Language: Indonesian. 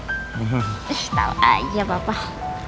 eh tau aja bapak